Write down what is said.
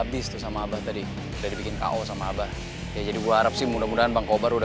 abis tuh sama abah tadi udah dibikin ko sama abah ya jadi gua harap sih mudah mudahan bangkobar udah